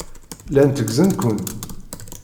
Llan tteggzen-ken.